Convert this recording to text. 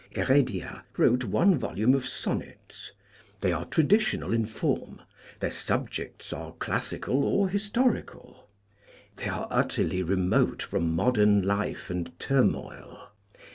Heredia wrote one volume of sonnets. They are traditional in form. Their subjects are classical or historical. They are utterly remote from modern life and turmoil.